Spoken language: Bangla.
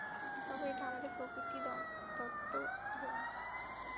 তবে এটা আমাদের প্রকৃতিদত্ত গুণ।